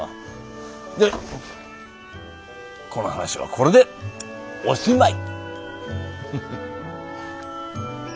でこの話はこれでおしまい。